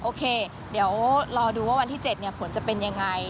โอเคเดี๋ยวรอดูว่าวันที่๗ผลจะเป็นยังไง